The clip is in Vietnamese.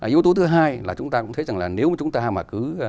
yếu tố thứ hai là chúng ta cũng thấy rằng là nếu chúng ta mà cứ